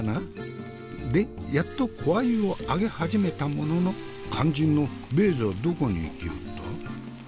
でやっと小鮎を揚げ始めたものの肝心のベーゼはどこに行きおった？